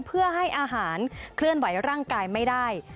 เพื่อให้อาหารเคลื่อนไหวร่างกายไม่ได้